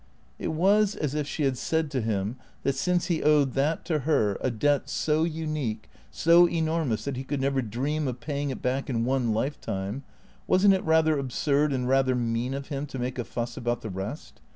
" It was as if she had said to him that since he owed that to her, a debt so unique, so enormous that he could never dream of paying it back in one lifetime, was n't it rather absurd and rather mean of him to make a fuss about the rest